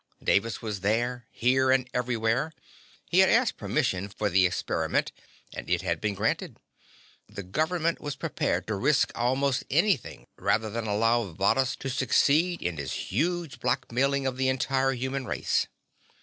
Davis was here, there, and everywhere. He had asked permission for the experiment, and it has been granted. The government was prepared to risk almost anything rather than allow Varrhus to succeed in his huge blackmailing of the entire human race.